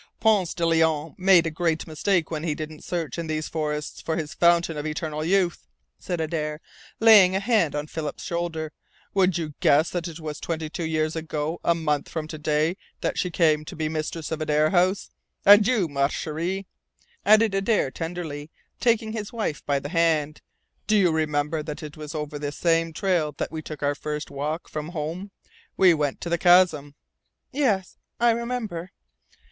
"Ponce de Leon made a great mistake when he didn't search in these forests for his fountain of eternal youth," said Adare, laying a hand on Philip's shoulder. "Would you guess that it was twenty two years ago a month from to day that she came to be mistress of Adare House? And you, Ma Cheri," added Adare tenderly, taking his wife by the hand, "Do you remember that it was over this same trail that we took our first walk from home? We went to the Chasm." "Yes, I remember."